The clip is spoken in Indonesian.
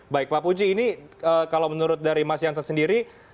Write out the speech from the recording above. baik pak puji ini kalau menurut dari mas jansen sendiri